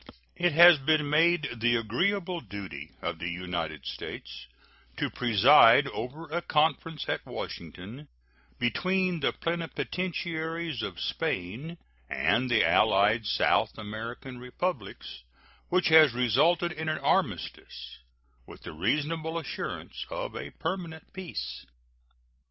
It has been made the agreeable duty of the United States to preside over a conference at Washington between the plenipotentiaries of Spain and the allied South American Republics, which has resulted in an armistice, with the reasonable assurance of a permanent peace.